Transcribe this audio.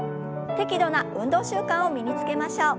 適度な運動習慣を身につけましょう。